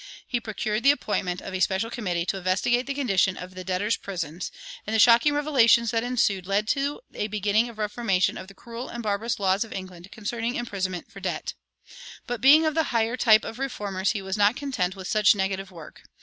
He procured the appointment of a special committee to investigate the condition of the debtors' prisons; and the shocking revelations that ensued led to a beginning of reformation of the cruel and barbarous laws of England concerning imprisonment for debt. But being of the higher type of reformers, he was not content with such negative work.